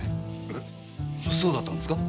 えそうだったんですか？